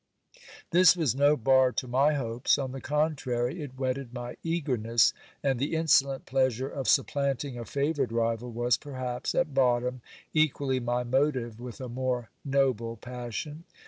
This was no bar to my hopes : on the contrary, it whetted my eagerness : and the insolent pleasure of supplanting a favoured rival was, perhaps, at bottom equally my motive with a more noble passion.